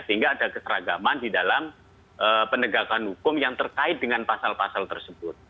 sehingga ada keseragaman di dalam penegakan hukum yang terkait dengan pasal pasal tersebut